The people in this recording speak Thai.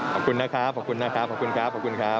ขอบคุณนะครับขอบคุณนะครับขอบคุณครับขอบคุณครับ